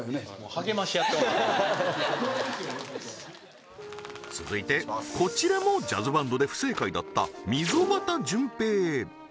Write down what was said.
はっ続いてこちらもジャズバンドで不正解だった溝端淳平